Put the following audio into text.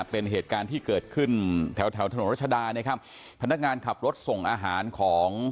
เป็นเหตุการณ์ที่เกิดขึ้นแถวแถวถนนรัชดานะครับพนักงานขับรถส่งอาหารของ